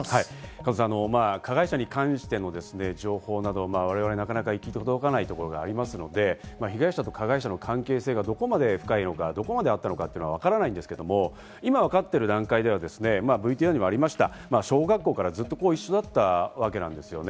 加藤さん、加害者に関しての情報など我々も行き届かないところがありますので被害者と加害者の関係性がどこまで深いのか、どこまであったのかはわからないんですが、今わかっている段階ではＶＴＲにもありました、小学校からずっと一緒だったわけなんですよね。